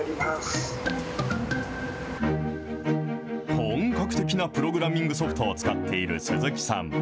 本格的なプログラミングソフトを使っている鈴木さん。